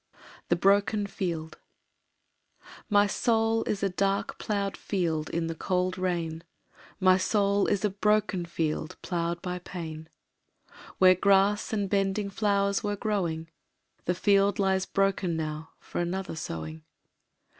The Broken Field My soul is a dark ploughed field In the cold rain; My soul is a broken field Ploughed by pain. Where grass and bending flowers Were growing, The field lies broken now For another sowing.